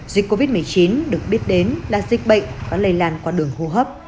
dịch covid một mươi chín được biết đến là dịch bệnh và lây lan qua đường hô hấp